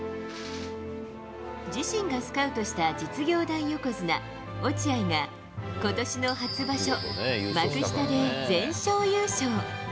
自身がスカウトした実業団横綱・落合がことしの初場所、幕下で全勝優勝。